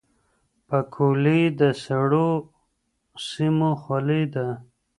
پکولي د سړو سيمو خولۍ ده.